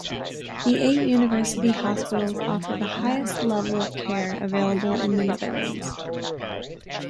The eight university hospitals offer the highest level of care available in the Netherlands.